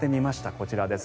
こちらです。